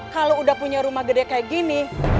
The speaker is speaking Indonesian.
kalau udah punya rumah gede kayak gini